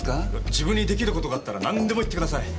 自分にできる事があったら何でも言ってください。